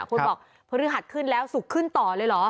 คุณบอกพฤหัสขึ้นแล้วศุกร์ขึ้นต่อเลยเหรอ